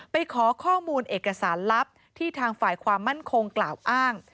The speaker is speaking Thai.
ไปขอข้อมูลเอกสารลับที่ทางฝ่ายความมั่นคงกล่าวอ้าง